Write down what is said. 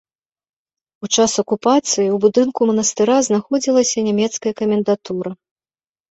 У час акупацыі ў будынку манастыра знаходзілася нямецкая камендатура.